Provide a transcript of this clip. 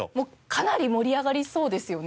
かなり盛り上がりそうですよね？